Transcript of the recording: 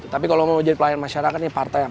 tapi kalau mau jadi pelayan masyarakat ini partai yang